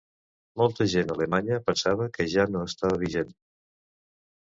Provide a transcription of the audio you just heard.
Molta gent alemanya pensava que ja no estava vigent.